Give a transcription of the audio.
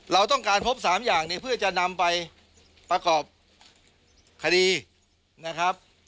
เราต้องการพบ๓อย่างนี้เพื่อจะนำไปประกอบคดีนะครับ